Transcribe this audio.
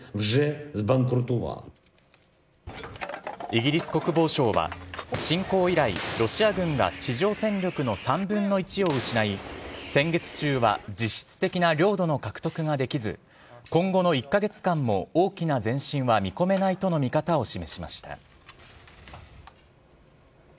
イギリス国防省は、侵攻以来、ロシア軍が地上戦力の３分の１を失い、先月中は実質的な領土の獲得ができず、今後の１か月間も大きな前進は見込めないとの見方を示しました。